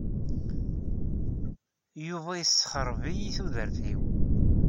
Yuba yessexreb-iyi tudert-iw.